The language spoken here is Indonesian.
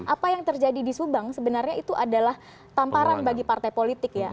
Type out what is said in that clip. apa yang terjadi di subang sebenarnya itu adalah tamparan bagi partai politik ya